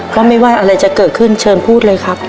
ก็ไม่ว่าอะไรจะเกิดขึ้นเชิญพูดเลยครับ